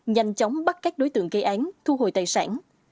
nhanh chóng bắt các đối tượng gây án thu hồi tài sản